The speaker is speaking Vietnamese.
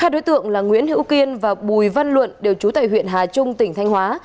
hai đối tượng là nguyễn hữu kiên và bùi văn luận đều trú tại huyện hà trung tỉnh thanh hóa